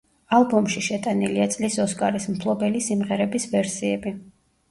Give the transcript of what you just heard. ალბომში შეტანილია წლის ოსკარის მფლობელი სიმღერების ვერსიები.